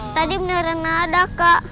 tadi beneran ada kak